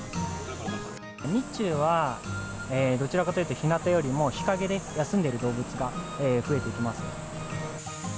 日中はどちらかというと、ひなたよりも日陰で休んでいる動物が増えてきます。